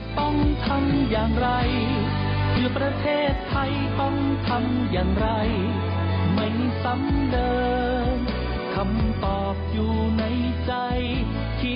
แผ่นหินของเราสร้างตัวขึ้นมาก็คือชิ้นนี้